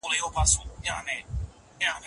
ما په کړکۍ کې د لندن د ښار ښکلي انوار ولیدل.